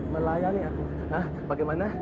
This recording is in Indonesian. melayani aku bagaimana